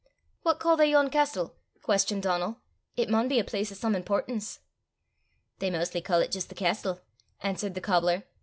"What ca' they yon castel?" questioned Donal. "It maun be a place o' some importance!" "They maistly ca' 't jist the castel," answered the cobbler.